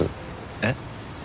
えっ？